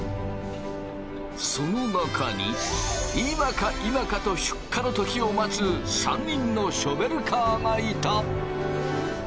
その中に今か今かと出荷の時を待つ３人のショベルカーがいた！